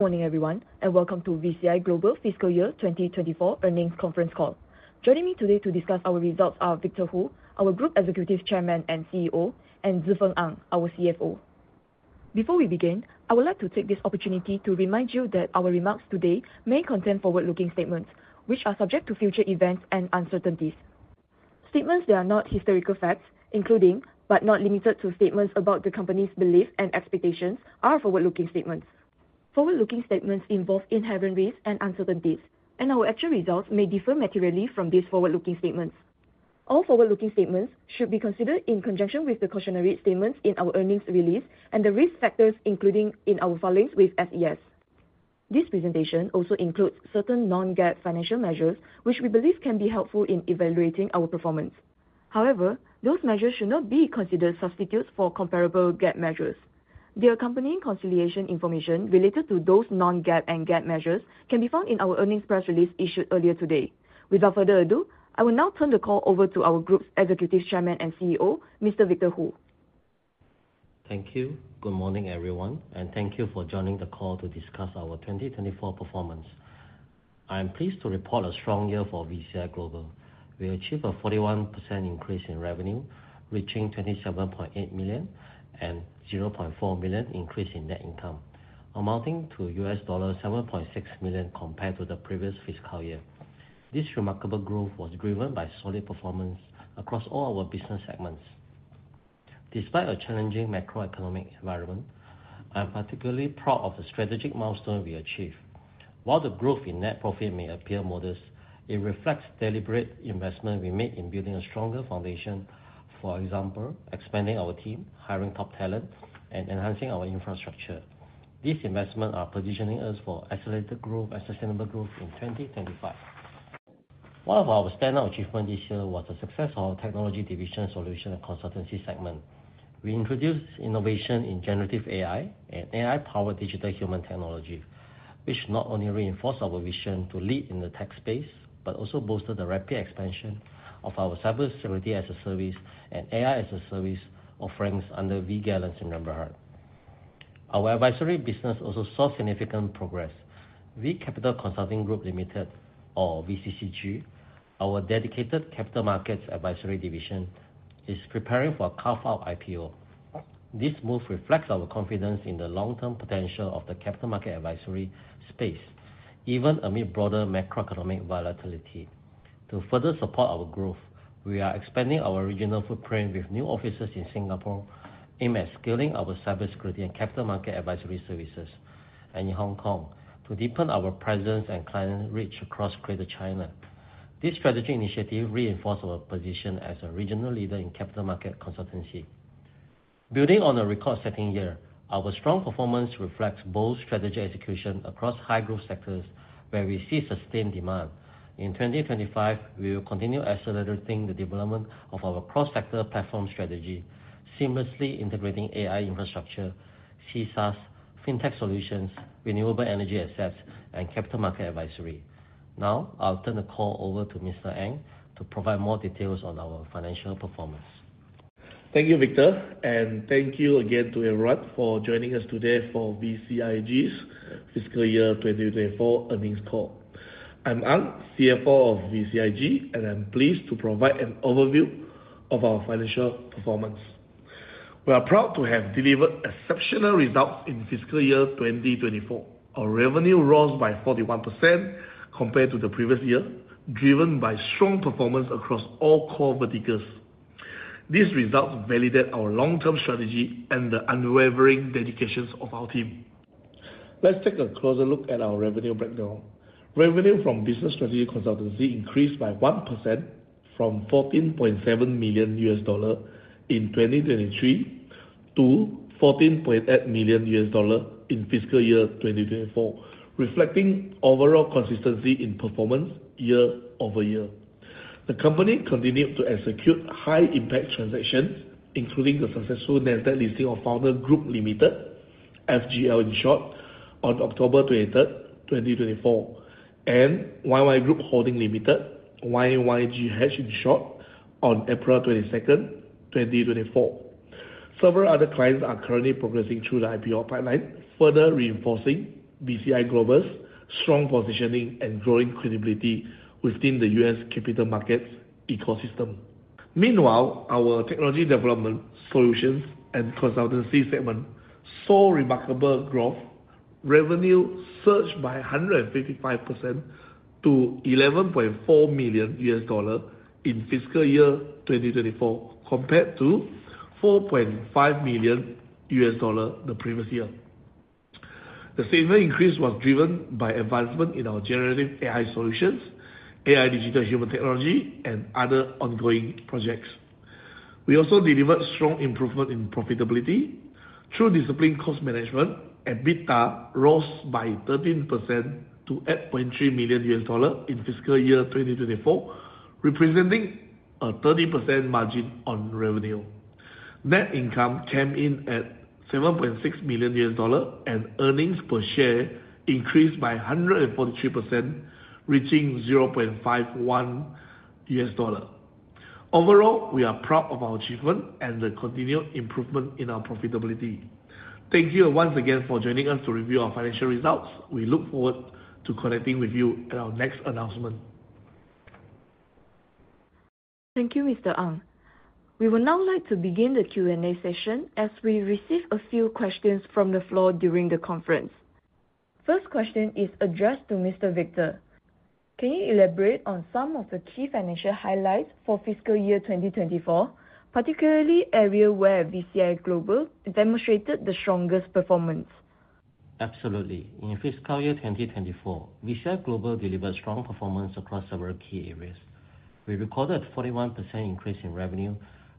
Morning, everyone, and welcome to VCI Global Fiscal Year 2024 Earnings Conference Call. Joining me today to discuss our results are Victor Hoo, our Group Executive Chairman and CEO, and Zhi Feng Ang, our CFO. Before we begin, I would like to take this opportunity to remind you that our remarks today may contain forward-looking statements, which are subject to future events and uncertainties. Statements that are not historical facts, including, but not limited to, statements about the Company's beliefs and expectations, are forward-looking statements. Forward-looking statements involve inherent risks and uncertainties, and our actual results may differ materially from these forward-looking statements. All forward-looking statements should be considered in conjunction with the cautionary statements in our earnings release and the risk factors included in our filings with SES. This presentation also includes certain non-GAAP financial measures, which we believe can be helpful in evaluating our performance. However, those measures should not be considered substitutes for comparable GAAP measures. The accompanying conciliation information related to those non-GAAP and GAAP measures can be found in our earnings press release issued earlier today. Without further ado, I will now turn the call over to our Group Executive Chairman and CEO, Mr. Victor Hoo. Thank you. Good morning, everyone, and thank you for joining the call to discuss our 2024 performance. I am pleased to report a strong year for VCI Global. We achieved a 41% increase in revenue, reaching $27.8 million and a $0.4 million increase in net income, amounting to $7.6 million compared to the previous fiscal year. This remarkable growth was driven by solid performance across all our business segments. Despite a challenging macroeconomic environment, I am particularly proud of the strategic milestones we achieved. While the growth in net profit may appear modest, it reflects deliberate investment we made in building a stronger foundation, for example, expanding our team, hiring top talent, and enhancing our infrastructure. These investments are positioning us for accelerated growth and sustainable growth in 2025. One of our standout achievements this year was the success of our Technology Division Solution and Consultancy segment. We introduced innovation in generative AI and AI-powered digital human technology, which not only reinforced our vision to lead in the tech space but also bolstered the rapid expansion of our Cybersecurity as a Service and AI as a Service offerings under V Gallant Sdn Bhd. Our Advisory business also saw significant progress. V Capital Consulting Group Limited, or VCCG, our dedicated Capital Markets Advisory Division, is preparing for a carve-out IPO. This move reflects our confidence in the long-term potential of the Capital Markets Advisory space, even amid broader macroeconomic volatility. To further support our growth, we are expanding our regional footprint with new offices in Singapore aimed at scaling our cybersecurity and capital market advisory services, and in Hong Kong to deepen our presence and client reach across Greater China. This strategic initiative reinforces our position as a regional leader in capital market consultancy. Building on a record-setting year, our strong performance reflects bold strategic execution across high-growth sectors where we see sustained demand. In 2025, we will continue accelerating the development of our cross-sector platform strategy, seamlessly integrating AI infrastructure, CSaaS, fintech solutions, renewable energy assets, and capital market advisory. Now, I'll turn the call over to Mr. Ang to provide more details on our financial performance. Thank you, Victor, and thank you again to everyone for joining us today for VCIG's fiscal year 2024 earnings call. I'm Ang, CFO of VCIG, and I'm pleased to provide an overview of our financial performance. We are proud to have delivered exceptional results in fiscal year 2024. Our revenue rose by 41% compared to the previous year, driven by strong performance across all core verticals. These results validate our long-term strategy and the unwavering dedication of our team. Let's take a closer look at our revenue breakdown. Revenue from business strategy consultancy increased by 1% from $14.7 million in 2023 to $14.8 million in fiscal year 2024, reflecting overall consistency in performance year-over-year. The Company continued to execute high-impact transactions, including the successful net asset listing of Founder Group Limited, FGL in short, on October 23rd, 2024, and YY Group Holding Limited, YYGH in short, on April 22nd, 2024. Several other clients are currently progressing through the IPO pipeline, further reinforcing VCI Global's strong positioning and growing credibility within the U.S. capital markets ecosystem. Meanwhile, our Technology Development Solutions and Consultancy segment saw remarkable growth. Revenue surged by 155% to $11.4 million in fiscal year 2024, compared to $4.5 million the previous year. The segment increase was driven by advancement in our generative AI solutions, AI digital human technology, and other ongoing projects. We also delivered strong improvement in profitability. True Discipline Cost Management, EBITDA, rose by 13% to $8.3 million in fiscal year 2024, representing a 30% margin on revenue. Net income came in at $7.6 million and earnings per share increased by 143%, reaching $0.51. Overall, we are proud of our achievement and the continued improvement in our profitability. Thank you once again for joining us to review our financial results. We look forward to connecting with you at our next announcement. Thank you, Mr. Ang. We would now like to begin the Q&A session as we receive a few questions from the floor during the conference. First question is addressed to Mr. Victor. Can you elaborate on some of the key financial highlights for fiscal year 2024, particularly areas where VCI Global demonstrated the strongest performance? Absolutely. In fiscal year 2024, VCI Global delivered strong performance across several key areas. We recorded a 41% increase in revenue,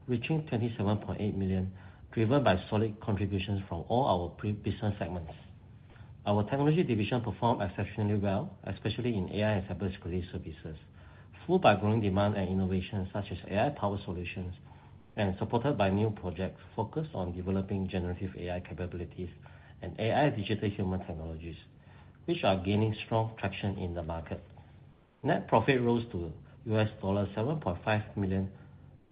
reaching $27.8 million, driven by solid contributions from all our business segments. Our Technology Division performed exceptionally well, especially in AI and cybersecurity services, fueled by growing demand and innovation such as AI-powered solutions and supported by new projects focused on developing generative AI capabilities and AI digital human technologies, which are gaining strong traction in the market. Net profit rose to $7.5 million,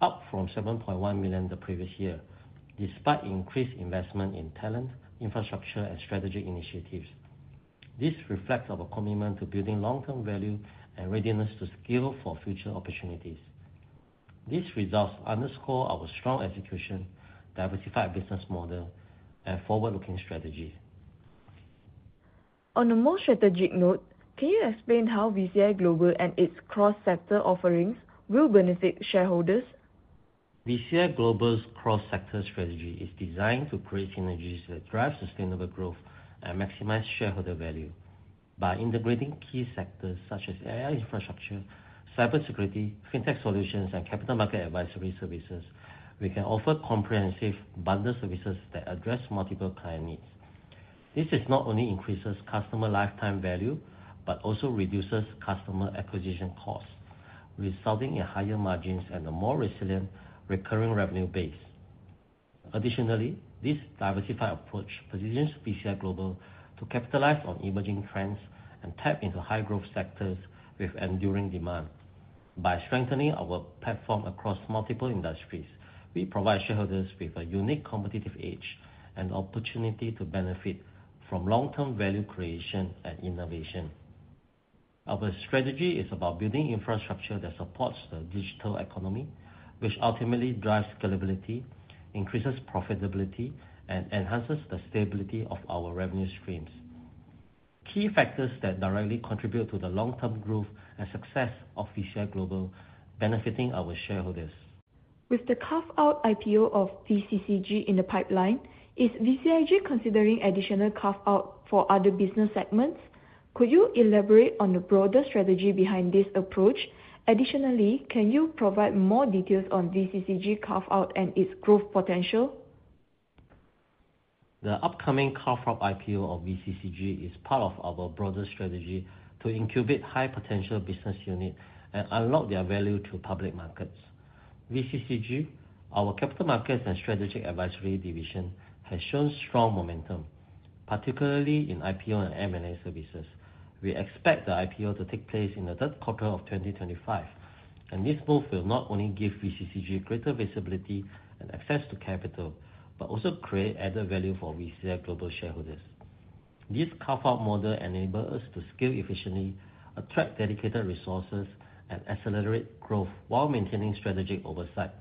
up from $7.1 million the previous year, despite increased investment in talent, infrastructure, and strategic initiatives. This reflects our commitment to building long-term value and readiness to scale for future opportunities. These results underscore our strong execution, diversified business model, and forward-looking strategy. On a more strategic note, can you explain how VCI Global and its cross-sector offerings will benefit shareholders? VCI Global's cross-sector strategy is designed to create synergies that drive sustainable growth and maximize shareholder value. By integrating key sectors such as AI infrastructure, cybersecurity, fintech solutions, and capital market advisory services, we can offer comprehensive bundled services that address multiple client needs. This not only increases customer lifetime value but also reduces customer acquisition costs, resulting in higher margins and a more resilient recurring revenue base. Additionally, this diversified approach positions VCI Global to capitalize on emerging trends and tap into high-growth sectors with enduring demand. By strengthening our platform across multiple industries, we provide shareholders with a unique competitive edge and opportunity to benefit from long-term value creation and innovation. Our strategy is about building infrastructure that supports the digital economy, which ultimately drives scalability, increases profitability, and enhances the stability of our revenue streams. Key factors that directly contribute to the long-term growth and success of VCI Global benefiting our shareholders. With the carve-out IPO of VCCG in the pipeline, is VCIG considering additional carve-outs for other business segments? Could you elaborate on the broader strategy behind this approach? Additionally, can you provide more details on VCCG carve-out and its growth potential? The upcoming carve-out IPO of VCCG is part of our broader strategy to incubate high-potential business units and unlock their value to public markets. VCCG, our Capital Markets and Strategic Advisory Division, has shown strong momentum, particularly in IPO and M&A services. We expect the IPO to take place in the third quarter of 2025, and this move will not only give VCCG greater visibility and access to capital but also create added value for VCI Global shareholders. This carve-out model enables us to scale efficiently, attract dedicated resources, and accelerate growth while maintaining strategic oversight.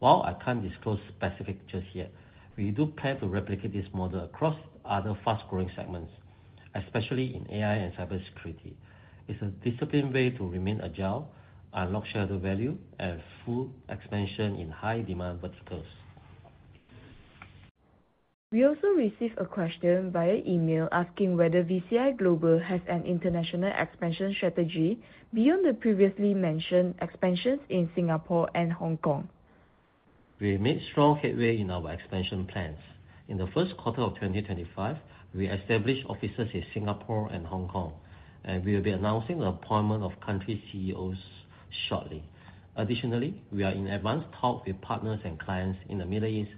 While I can't disclose specifics just yet, we do plan to replicate this model across other fast-growing segments, especially in AI and cybersecurity. It's a disciplined way to remain agile, unlock shareholder value, and full expansion in high-demand verticals. We also received a question via email asking whether VCI Global has an international expansion strategy beyond the previously mentioned expansions in Singapore and Hong Kong. We made strong headway in our expansion plans. In the first quarter of 2025, we established offices in Singapore and Hong Kong, and we will be announcing the appointment of country CEOs shortly. Additionally, we are in advanced talks with partners and clients in the Middle East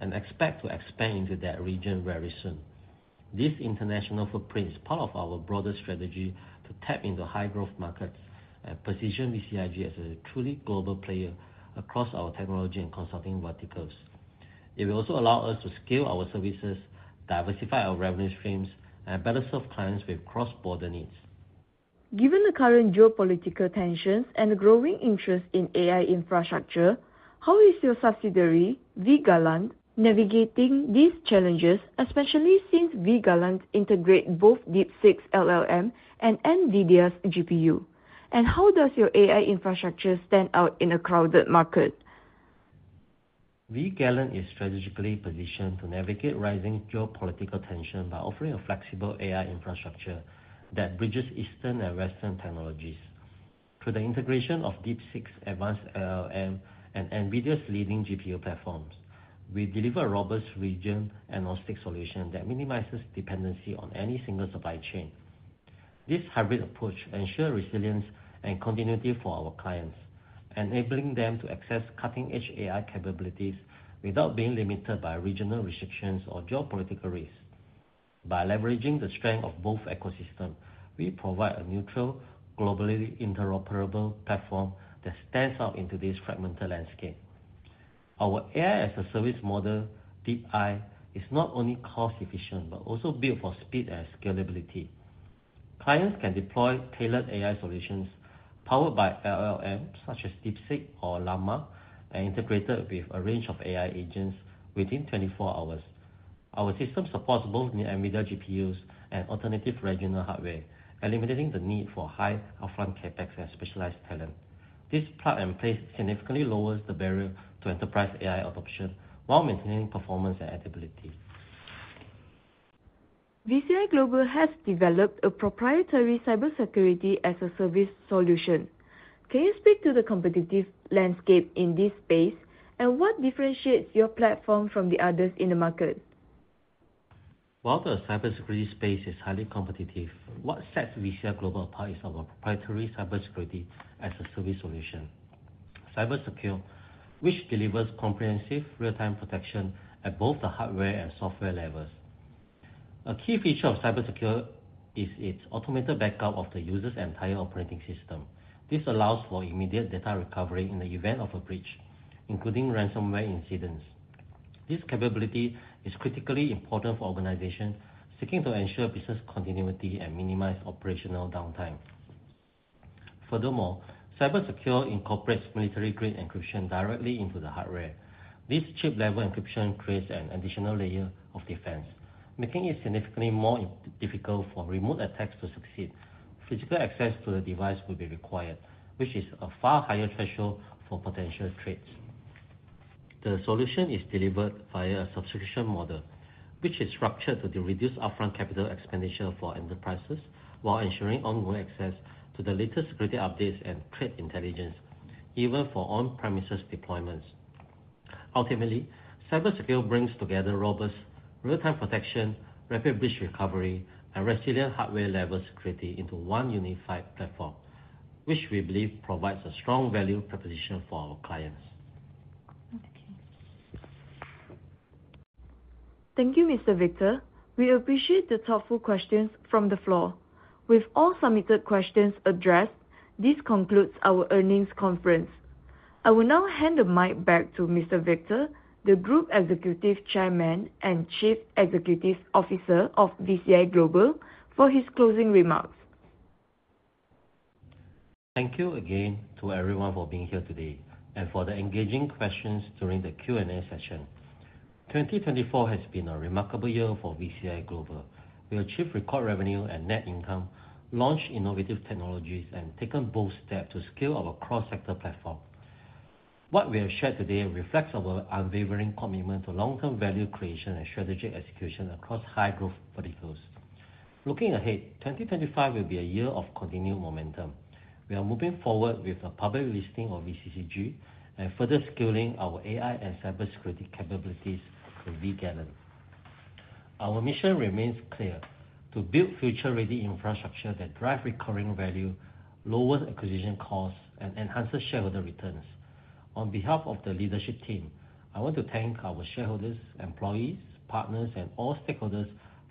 and expect to expand into that region very soon. This international footprint is part of our broader strategy to tap into high-growth markets and position VCIG as a truly global player across our technology and consulting verticals. It will also allow us to scale our services, diversify our revenue streams, and better serve clients with cross-border needs. Given the current geopolitical tensions and growing interest in AI infrastructure, how is your subsidiary, V Galant, navigating these challenges, especially since V Galant integrates both DeepSeek's LLM and NVIDIA's GPU? How does your AI infrastructure stand out in a crowded market? V Galant is strategically positioned to navigate rising geopolitical tensions by offering a flexible AI infrastructure that bridges Eastern and Western technologies. Through the integration of DeepSeek's advanced LLM and NVIDIA's leading GPU platforms, we deliver a robust region and logistics solution that minimizes dependency on any single supply chain. This hybrid approach ensures resilience and continuity for our clients, enabling them to access cutting-edge AI capabilities without being limited by regional restrictions or geopolitical risks. By leveraging the strength of both ecosystems, we provide a neutral, globally interoperable platform that stands out in today's fragmented landscape. Our AI-as-a-Service model, DeepAI, is not only cost-efficient but also built for speed and scalability. Clients can deploy tailored AI solutions powered by LLMs such as DeepSeek or LlaMa and integrated with a range of AI agents within 24 hours. Our system supports both NVIDIA GPUs and alternative regional hardware, eliminating the need for high-upfront CapEx and specialized talent. This plug-and-play significantly lowers the barrier to enterprise AI adoption while maintaining performance and adaptability. VCI Global has developed a proprietary Cybersecurity-as-a-Service solution. Can you speak to the competitive landscape in this space, and what differentiates your platform from the others in the market? While the cybersecurity space is highly competitive, what sets VCI Global apart is our proprietary Cybersecurity-as-a-Service solution, CyberSecure, which delivers comprehensive real-time protection at both the hardware and software levels. A key feature of CyberSecure is its automated backup of the user's entire operating system. This allows for immediate data recovery in the event of a breach, including ransomware incidents. This capability is critically important for organizations seeking to ensure business continuity and minimize operational downtime. Furthermore, CyberSecure incorporates military-grade encryption directly into the hardware. This chip-level encryption creates an additional layer of defense, making it significantly more difficult for remote attacks to succeed. Physical access to the device will be required, which is a far higher threshold for potential threats. The solution is delivered via a subscription model, which is structured to reduce upfront capital expenditure for enterprises while ensuring ongoing access to the latest security updates and threat intelligence, even for on-premises deployments. Ultimately, CyberSecure brings together robust real-time protection, rapid breach recovery, and resilient hardware-level security into one unified platform, which we believe provides a strong value proposition for our clients. Thank you, Mr. Victor. We appreciate the thoughtful questions from the floor. With all submitted questions addressed, this concludes our earnings conference. I will now hand the mic back to Mr. Victor, the Group Executive Chairman and Chief Executive Officer of VCI Global, for his closing remarks. Thank you again to everyone for being here today and for the engaging questions during the Q&A session. 2024 has been a remarkable year for VCI Global. We achieved record revenue and net income, launched innovative technologies, and took bold steps to scale our cross-sector platform. What we have shared today reflects our unwavering commitment to long-term value creation and strategic execution across high-growth verticals. Looking ahead, 2025 will be a year of continued momentum. We are moving forward with the public listing of VCCG and further scaling our AI and cybersecurity capabilities through V Galant. Our mission remains clear: to build future-ready infrastructure that drives recurring value, lowers acquisition costs, and enhances shareholder returns. On behalf of the leadership team, I want to thank our shareholders, employees, partners, and all stakeholders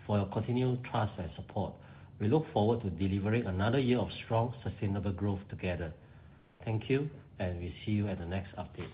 for your continued trust and support. We look forward to delivering another year of strong, sustainable growth together. Thank you, and we see you at the next update.